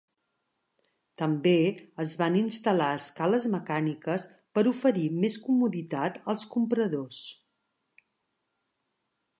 També es van instal·lar escales mecàniques per oferir més comoditat als compradors.